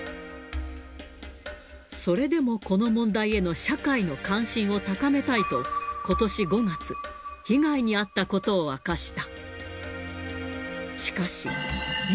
それでもこの問題への社会の関心を高めたいと、ことし５月、被害に遭ったことを明かした。